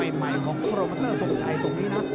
นี่คือยอดมวยแท้รักที่ตรงนี้ครับ